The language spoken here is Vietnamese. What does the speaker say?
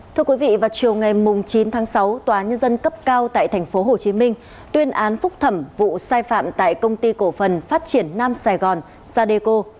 thưa quý vị vào chiều ngày chín tháng sáu tòa nhân dân cấp cao tại tp hcm tuyên án phúc thẩm vụ sai phạm tại công ty cổ phần phát triển nam sài gòn sadeco